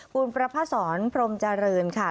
คุณประพศรพรมเจริญค่ะ